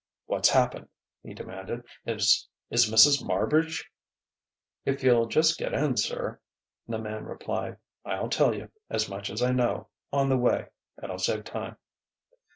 "What's happened?" he demanded. "Is Mrs. Marbridge ?" "If you'll just get in, sir," the man replied, "I'll tell you as much as I know on the way. It'll save time."